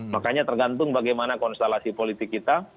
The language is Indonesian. makanya tergantung bagaimana konstelasi politik kita